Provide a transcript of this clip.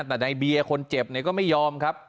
แต่ในเบียคนเจ็บเนี่ยก็ไม่ยอมครับ